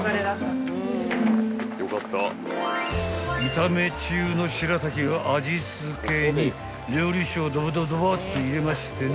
［炒め中のしらたきは味付けに料理酒をドボドボドボッと入れましてね］